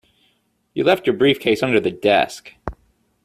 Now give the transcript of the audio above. You left your briefcase under the desk.